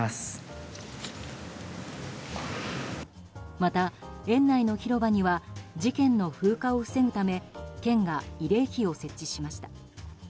また、園内の広場には事件の風化を防ぐため県が慰霊碑を設置しました。